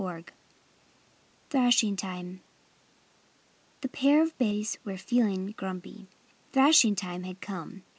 XIX THRASHING TIME The pair of bays were feeling grumpy. Thrashing time had come.